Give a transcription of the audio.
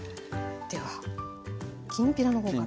ではきんぴらの方から。